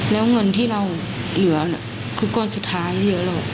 แล้วเงินที่เราเหลือคือก้อนสุดท้ายเหลือหรอก